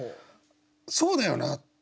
そうだよな。